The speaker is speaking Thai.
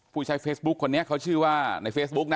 ผู้ใช้เฟซบุ๊คคนนี้เขาชื่อว่าในเฟซบุ๊กนะ